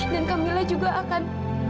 dan kamila juga akan